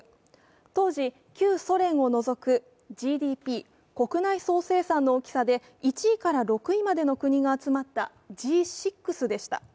当時、旧ソ連を除くＧＤＰ＝国内総生産の大きさで１位から６位までの国が集まったＧ６でした。